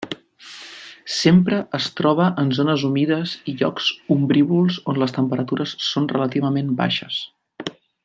Sempre es troba en zones humides i llocs ombrívols on les temperatures són relativament baixes.